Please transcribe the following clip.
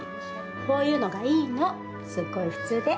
こういうのがいいのすっごい普通で。